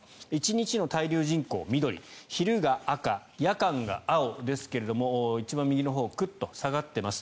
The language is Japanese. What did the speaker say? １日の滞留人口、緑昼が赤、夜間が青ですが一番右のほうクッと下がっています。